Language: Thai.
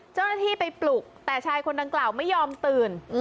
เจ้าหน้าที่ไปปลุกแต่ชายคนดังกล่าวไม่ยอมตื่น